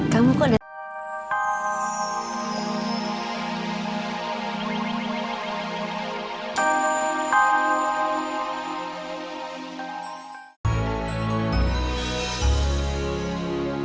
kamu kok didatangi mereka